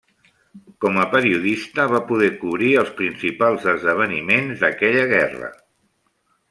Com a periodista va poder cobrir els principals esdeveniments d'aquella guerra.